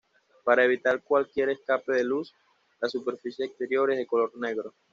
Para evitar cualquier escape de luz, la superficie exterior es de color negro.